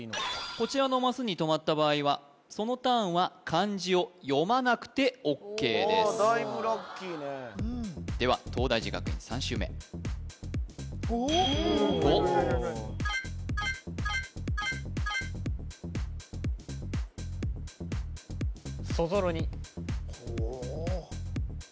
こちらのマスに止まった場合はそのターンは漢字を読まなくてＯＫですだいぶラッキーねでは東大寺学園３周目５５ほお